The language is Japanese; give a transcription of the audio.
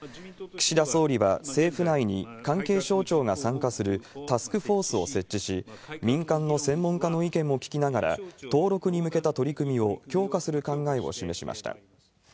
岸田総理は政府内に関係省庁が参加するタスクフォースを設置し、民間の専門家の意見も聞きながら、登録に向けた取り組みを強化する考えを示しました。